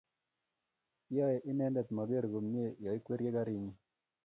yae inenendet mageer komnyei yoikwerie karinyi